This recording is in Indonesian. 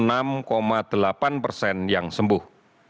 bangka belitung delapan puluh enam tiga persen yang sembuh